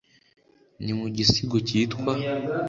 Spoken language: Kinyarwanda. ni mu gisigo cyitwa